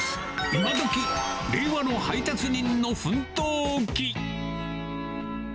イマドキ令和の配達人の奮闘記。